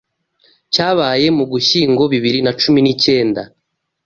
cyabaye mu Gushyingo bibiri na cumi nikenda